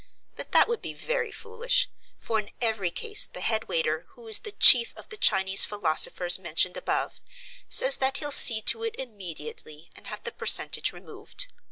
But that would be very foolish, for in every case the head waiter, who is the chief of the Chinese philosophers mentioned above, says that he'll see to it immediately and have the percentage removed.